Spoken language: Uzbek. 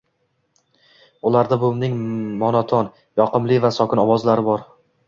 Ularda, buvimning monoton, yoqimli va sokin ovozlari bor